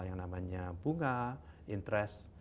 yang namanya bunga interest